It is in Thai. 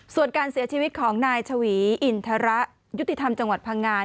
ส่วนการเสียชีวิตของนายชวีอินทระยุติธรรมจังหวัดพังงา